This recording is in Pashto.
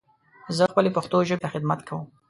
زه خپلې پښتو ژبې ته خدمت کوم.